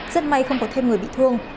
rất may không có thêm người bị thương